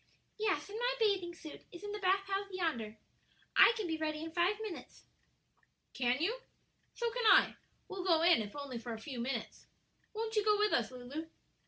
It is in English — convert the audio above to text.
"Yes; and my bathing suit is in the bath house yonder. I can be ready in five minutes." "Can you? So can I; we'll go in if only for a few minutes. Won't you go with us, Lulu?"